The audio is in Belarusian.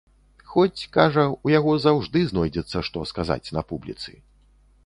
Хоць, кажа, у яго заўжды знойдзецца, што сказаць на публіцы.